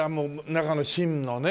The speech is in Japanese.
中の芯のね。